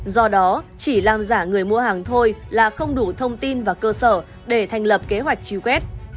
do đó chỉ làm giả người mua hàng thôi là không đủ thông tin và cơ sở để thành lập kế hoạch truy quét